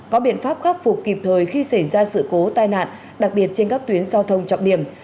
có biện pháp khắc phục kịp thời khi xảy ra sự cố tai nạn đặc biệt trên các tuyến giao thông trọng điểm